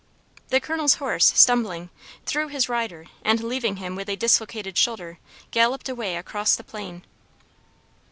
The Colonel's horse, stumbling, threw his rider, and leaving him with a dislocated shoulder, galloped away across the plain.